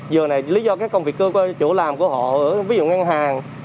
giờ này lý do các công việc cơ của chỗ làm của họ ví dụ ngân hàng